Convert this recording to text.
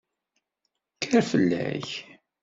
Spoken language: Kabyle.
Kker fell-ak!